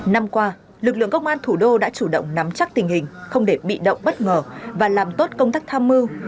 năm qua lực lượng công an thủ đô đã chủ động nắm chắc tình hình không để bị động bất ngờ và làm tốt công tác tham mưu